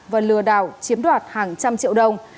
và lừa đảo chiếm đoạt hàng trăm triệu đồng